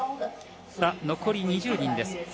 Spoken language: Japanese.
残り２０人です。